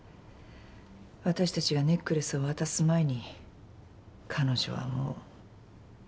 私たちがネックレスを渡す前に彼女はもう。